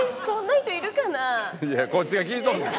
こっちが聞いとんねん！